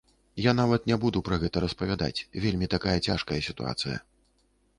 Я нават не буду пра гэта распавядаць, вельмі такая цяжкая сітуацыя.